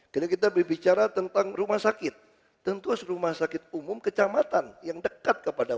kita berbicara tentang rumah sakit tentu harus rumah sakit umum kecamatan yang dekat kepada